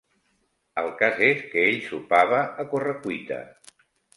El cas és que ell sopava a corre-cuita